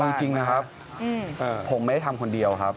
เอาจริงนะครับผมไม่ได้ทำคนเดียวครับ